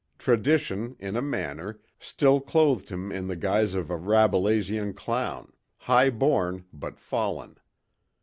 Tradition, in a manner, still clothed him in the guise of a Rabelaisian clown, high born but fallen.